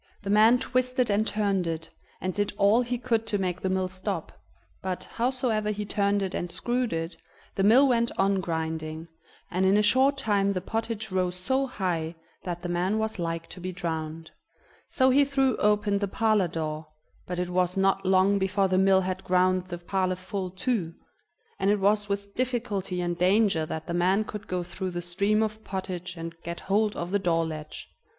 The man twisted and turned it, and did all he could to make the mill stop, but, howsoever he turned it and screwed it, the mill went on grinding, and in a short time the pottage rose so high that the man was like to be drowned. So he threw open the parlor door, but it was not long before the mill had ground the parlor full too, and it was with difficulty and danger that the man could go through the stream of pottage and get hold of the door latch.